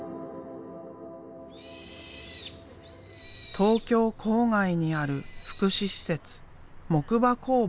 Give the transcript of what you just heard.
東京郊外にある福祉施設木馬工房。